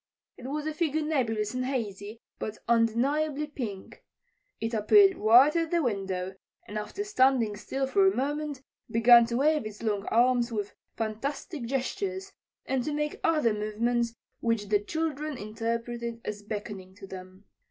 It was a figure nebulous and hazy, but undeniably pink. It appeared right at the window, and after standing still for a moment began to wave its long arms with fantastic gestures, and to make other movements which the children interpreted as beckoning to them.